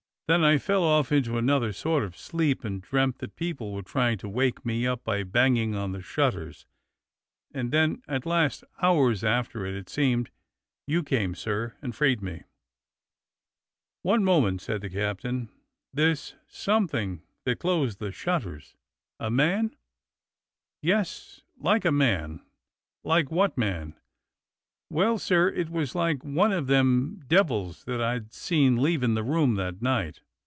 Then I fell off into another sort of sleep and dreamt that people were trying to wake me up by banging on the shutters, and then at last — hours after it, it seemed — you came, sir, and freed me." "One moment," said the captain; "this something that closed the shutters — a man.'^" "Yes, like a man." "Like what man.^" "Well, sir, it was like one of them devils that I'd seen leaving the room that night.